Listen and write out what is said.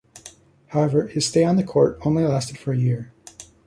However, his stay on the court only lasted for a year.